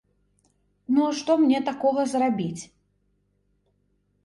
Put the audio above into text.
Ну, а што мне такога зрабіць?